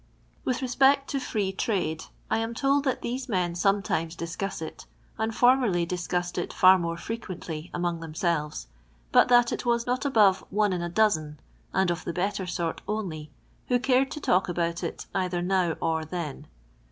With i €Mpeel to Free Trade, 1 am told that these men sometimes discuss it, and formerly discussed it far more frequently among themselves, but that it was not above one in a dozen, and of tlic better sort only, who cared to talk about it either now or then.